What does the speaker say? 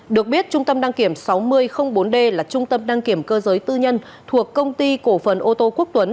được biết trung tâm đăng kiểm sáu nghìn bốn d là trung tâm đăng kiểm cơ giới tư nhân thuộc công ty cổ phần ô tô quốc tuấn